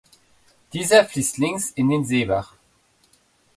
Dieser fließt links in den Seebach.